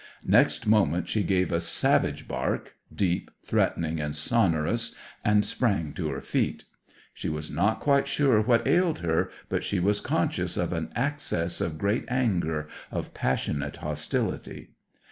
Next moment she gave a savage bark, deep, threatening, and sonorous, and sprang to her feet. She was not quite sure what ailed her, but she was conscious of an access of great anger, of passionate hostility.